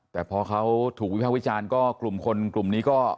แต่พอเขาถูกวิภาควิจารณ์ก็กลุ่มคนกลุ่มนี้ก็